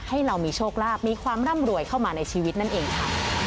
ให้เรามีโชคลาภมีความร่ำรวยเข้ามาในชีวิตนั่นเองค่ะ